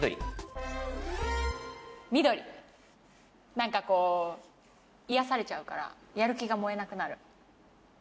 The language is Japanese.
何かこう癒やされちゃうからやる気が燃えなくなる。